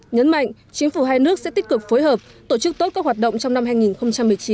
nhấn mạnh chính phủ hai nước sẽ tích cực phối hợp tổ chức tốt các hoạt động trong năm hai nghìn một mươi chín